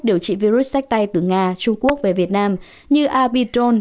điều trị virus sách tay từ nga trung quốc về việt nam như abitol